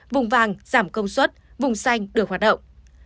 vùng vàng giảm công suất vùng xanh được hoạt động